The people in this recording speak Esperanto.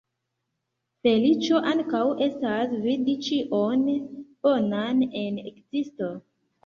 Feliĉo ankaŭ estas vidi ĉion bonan en ekzisto.